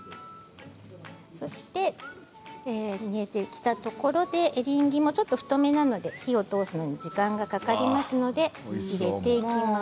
そして煮えてきたところでエリンギもちょっと太めなので火を通すのに時間がかかりますので入れていきます。